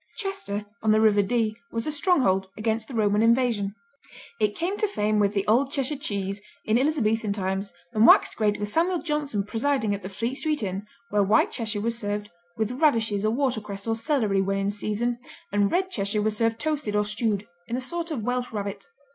Chester on the River Dee was a stronghold against the Roman invasion. It came to fame with The Old Cheshire Cheese in Elizabethan times and waxed great with Samuel Johnson presiding at the Fleet Street Inn where White Cheshire was served "with radishes or watercress or celery when in season," and Red Cheshire was served toasted or stewed in a sort of Welsh Rabbit.